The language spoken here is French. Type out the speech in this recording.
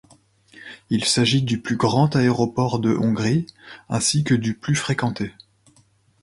Il s'agit du plus grand aéroport de Hongrie ainsi que du plus fréquenté.